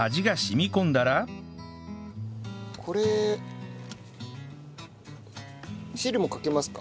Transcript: これ汁もかけますか？